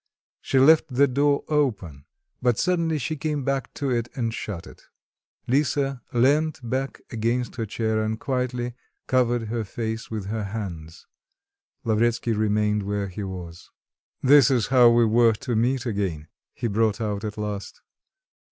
She left the door open; but suddenly she came back to it and shut it. Lisa leant back against her chair and quietly covered her face with her hands; Lavretsky remained where he was. "This is how we were to meet again!" he brought out at last.